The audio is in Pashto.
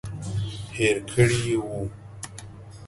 هېر کړي وو.